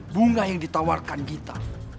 bunga yang ditawarkan kita